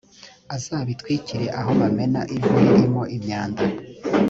azabitwikire aho bamena ivu ririmo imyanda